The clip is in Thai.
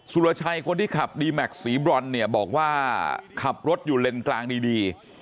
รชัยคนที่ขับดีแม็กซสีบรอนเนี่ยบอกว่าขับรถอยู่เลนกลางดี